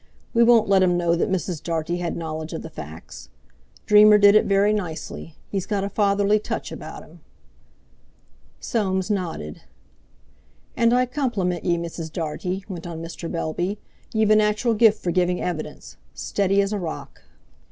We won't let um know that Mrs. Dartie had knowledge of the facts. Dreamer did it very nicely—he's got a fatherly touch about um!" Soames nodded. "And I compliment ye, Mrs. Dartie," went on Mr. Bellby; "ye've a natural gift for giving evidence. Steady as a rock."